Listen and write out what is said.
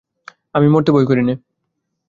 আমি মরতে ভয় করি নে।